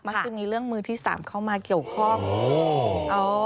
มักซึ่งมีเรื่องมือที่๓เข้ามาเกี่ยวข้อมูล